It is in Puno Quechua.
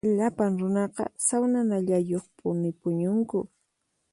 Llapan runaqa sawnanallayuqpuni puñunku.